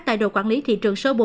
tại đồ quản lý thị trường số bốn